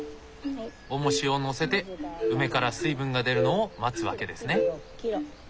おもしを載せて梅から水分が出るのを待つ訳ですね。